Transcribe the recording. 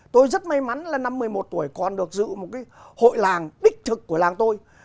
tôi rất may mắn là năm một mươi một tuổi còn được giữ một cái hội làng đích thực của làng tôi